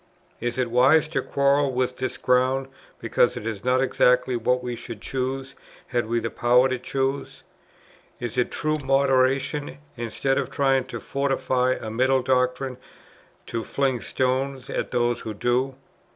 Is it wise to quarrel with this ground, because it is not exactly what we should choose, had we the power of choice? Is it true moderation, instead of trying to fortify a middle doctrine, to fling stones at those who do?...